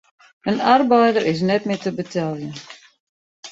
In arbeider is net mear te beteljen.